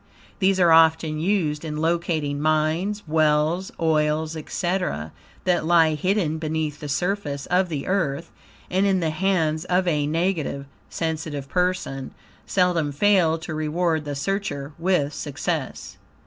These are often used in locating mines, wells, oils, etc., that lie hidden beneath the surface of the earth, and in the hands of a negative, sensitive person, seldom fail to reward the searcher with success.